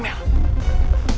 mel mengingat pangeran